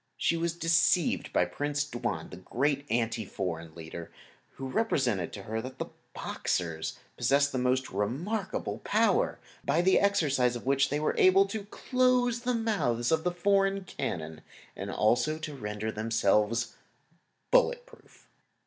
She was deceived by Prince Tuan, the great anti foreign leader, who represented to her that the Boxers possessed a most remarkable power, by the exercise of which they were able to close the mouths of the foreign cannon and also to render themselves bulletproof.